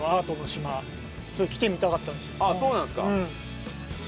あっそうなんですか。